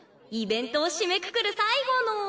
イベントを締めくくる最後の。